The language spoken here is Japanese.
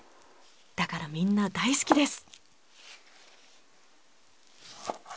だからみんな大好きです。